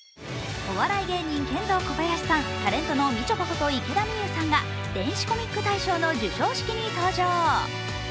お笑い芸人、ケンドーコバヤシさん、タレントのみちょぱこと池田美優さんが電子コミック大賞の授賞式に登場。